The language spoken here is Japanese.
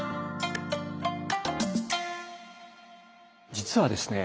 実はですね